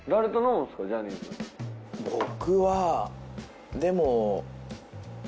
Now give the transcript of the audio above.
僕はでも。